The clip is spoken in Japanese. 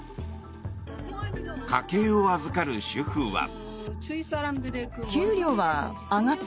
家計を預かる主婦は。